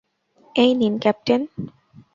এই নিন, ক্যাপ্টেন।